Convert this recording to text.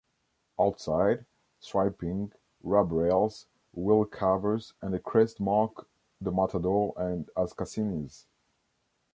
Outside, striping, rub rails, wheel covers and a crest mark the Matador as Cassini's.